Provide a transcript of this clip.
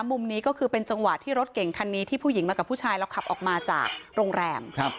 มุมนี้ก็คือเป็นจังหวะที่รถเก่งคันนี้ที่ผู้หญิงมากับผู้ชายแล้วขับออกมาจากโรงแรม